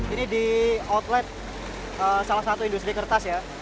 ini di outlet salah satu industri kertas ya